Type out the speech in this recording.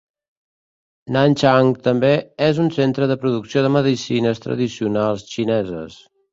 Nanchang també és un centre de producció de medicines tradicionals xineses.